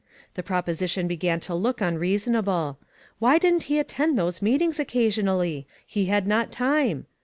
The proposition began to look un reasonable. Why didn't he attend those meetings occasionally ? He had not time.